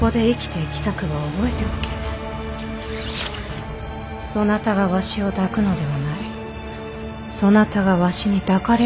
そなたがわしを抱くのではないそなたがわしに抱かれるのじゃ。